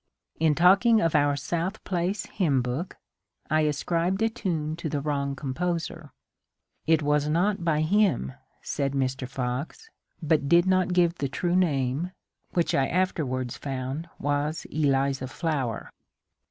In talking of our South Place hymn book, I ascribed a tune to the wrong composer. *^ It was not by him," said Mr. Fox, but did not give the true name, which I afterwards found was Eliza Flower.